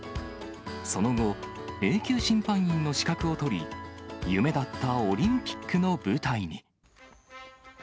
その後、Ａ級審判員の資格を取り、夢だったオリンピックの舞台に。